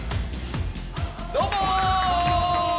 どうもー！